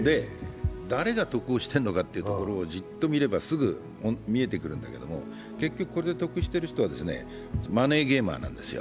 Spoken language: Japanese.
誰が得をしてるのかというのをじっと見れば、すぐ見えてくるんだけど、結局これ得している人はマネーゲーマーなんですよ。